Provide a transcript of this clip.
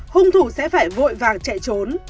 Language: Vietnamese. hung thủ sẽ phải vội vàng chạy trốn